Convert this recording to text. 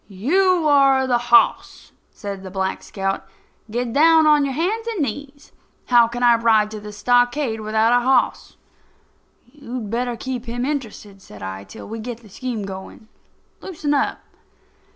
"You are the hoss," says Black Scout. "Get down on your hands and knees. How can I ride to the stockade without a hoss?" "You'd better keep him interested," said I, "till we get the scheme going. Loosen up."